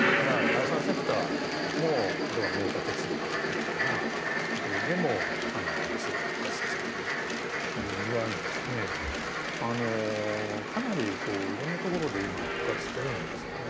それから第三セクターも例えば真岡鉄道みたいなところでもＳＬを復活させているという具合にかなりいろんなところで今復活してるんですよね。